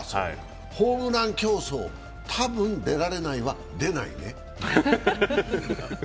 ホームラン競争、多分出られないわ、出ないね。